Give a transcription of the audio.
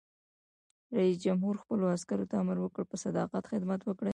رئیس جمهور خپلو عسکرو ته امر وکړ؛ په صداقت خدمت وکړئ!